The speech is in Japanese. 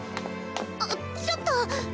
あっちょっと！